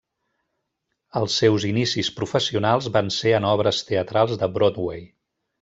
Els seus inicis professionals van ser en obres teatrals de Broadway.